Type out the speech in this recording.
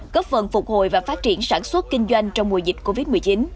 cấp phần phục hồi và phát triển sản xuất kinh doanh trong mùa dịch covid một mươi chín